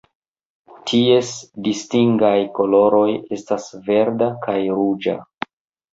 Ties distingaj koloroj estas verda kaj ruĝa.